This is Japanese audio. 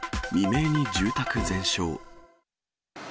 未明に住宅全焼。